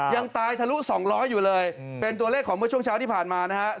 ยังตายทะลุ๒๐๐อยู่เลยเป็นตัวเลขของเมื่อช่วงเช้าที่ผ่านมานะครับ